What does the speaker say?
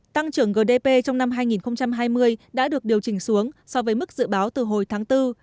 tăng trưởng gdp trong năm hai nghìn hai mươi đã được điều chỉnh xuống so với mức dự báo từ hồi tháng bốn